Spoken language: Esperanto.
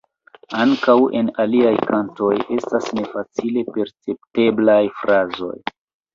Ankaŭ en aliaj kantoj estas nefacile percepteblaj frazoj.